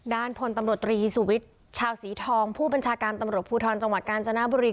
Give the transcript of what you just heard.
พลตำรวจตรีสุวิทย์ชาวสีทองผู้บัญชาการตำรวจภูทรจังหวัดกาญจนบุรี